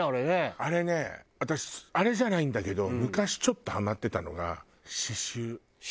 あれね私あれじゃないんだけど昔ちょっとハマってたのが刺繍。